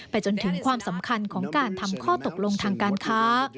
จนถึงความสำคัญของการทำข้อตกลงทางการค้า